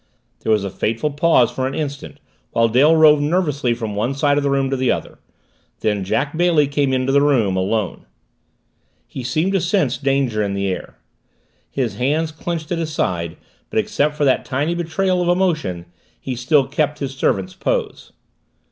There was a fateful pause, for an instant, while Dale roved nervously from one side of the room to the other. Then Jack Bailey came into the room alone. He seemed to sense danger in the air. His hands clenched at his sides, but except for that tiny betrayal of emotion, he still kept his servant's pose.